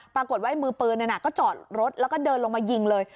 ปรากฏว่ามือปืนก็จอดรถแล้วก็เดินลงมายิงเลย